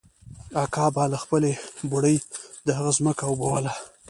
اکا به له خپلې بوړۍ د هغه ځمکه اوبوله.